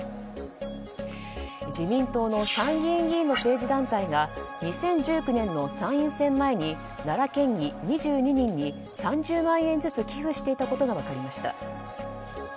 自民党の参議院議員の政治団体が２０１９年の参院選前に奈良県議２２人に３０万円ずつ寄付していたことが分かりました。